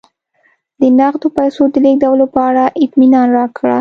د نغدو پیسو د لېږلو په اړه اطمینان راکړه